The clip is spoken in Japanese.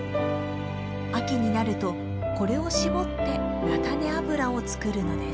秋になるとこれを搾って菜種油を作るのです。